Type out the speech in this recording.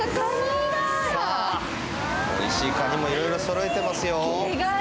おいしいかにも、いろいろそろえてますよ。